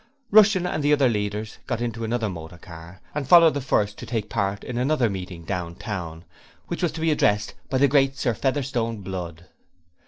Rushton and the other leaders got into another motor car, and followed the first to take part in another meeting down town, which was to be addressed by the great Sir Featherstone Blood.